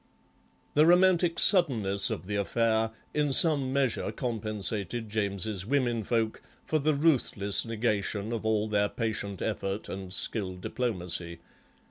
The romantic suddenness of the affair in some measure compensated James's women folk for the ruthless negation of all their patient effort and skilled diplomacy.